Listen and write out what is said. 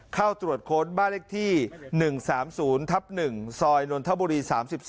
เข้าตรวจค้นบ้านเลขที่๑๓๐ทับ๑ซอยนนทบุรี๓๔